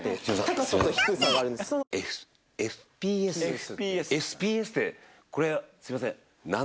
ＦＰＳってこれすいません。